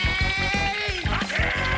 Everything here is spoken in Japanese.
待て！